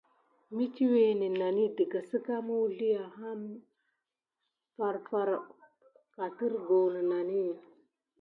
Mitiwé nenani dəga səza migueliw amtaŋ farfar, katerguh nənani.